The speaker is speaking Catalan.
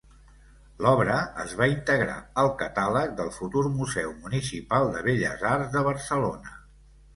L'obra es va integrar al catàleg del futur Museu Municipal de Belles Arts de Barcelona.